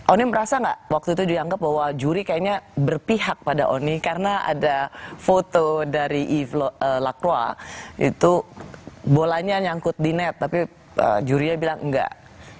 onim merasa nggak waktu itu dianggap bahwa juri kayaknya berpihak pada oni karena ada foto dari lakwa itu bolanya nyangkut di net tapi juria bilang enggak